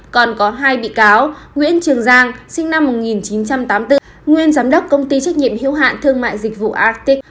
còn có hai bị cáo nguyễn trường giang sinh năm một nghìn chín trăm tám mươi bốn nguyên giám đốc công ty trách nhiệm hiếu hạn thương mại dịch vụ astic